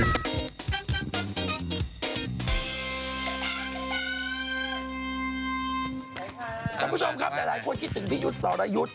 คุณผู้ชมครับหลายคนคิดถึงพี่ยุทธ์สรยุทธ์